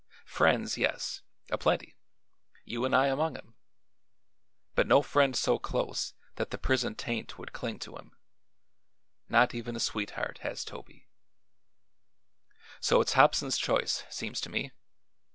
Friends, yes; a plenty; you and I among 'em; but no friend so close that the prison taint would cling to 'em; not even a sweetheart has Toby. So it's Hobson's choice, seems to me.